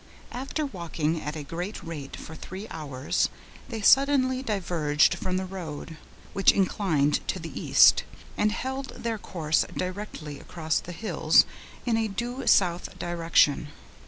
After walking at a great rate for three hours, they suddenly diverged from the road, which inclined to the east, and held their course directly across the hills, in a due south direction.